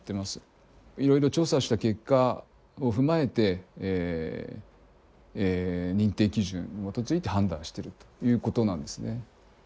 いろいろ調査した結果を踏まえて認定基準に基づいて判断してるということなんですね。